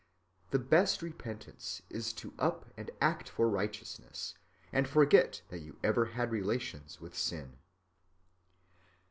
The best repentance is to up and act for righteousness, and forget that you ever had relations with sin.